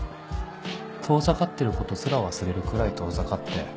遠ざかってることすら忘れるくらい遠ざかって